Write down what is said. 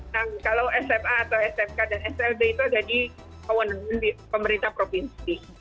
nah kalau sfa atau sfk dan slb itu jadi kewenangan pemerintah provinsi